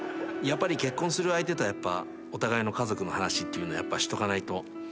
やっぱり結婚する相手とはお互いの家族の話っていうのしとかないと。